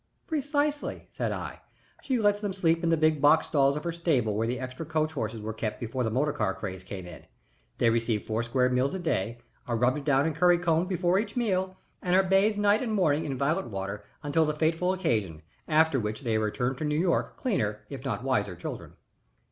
"Precisely," said I. "She lets them sleep in the big box stalls of her stable where the extra coach horses were kept before the motor car craze came in. They receive four square meals a day, are rubbed down and curry combed before each meal, and are bathed night and morning in violet water until the fateful occasion, after which they are returned to New York cleaner if not wiser children."